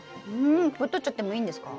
これとっちゃってもいいんですか？